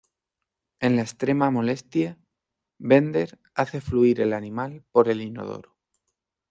En la extrema molestia, Bender hace fluir el animal por el inodoro.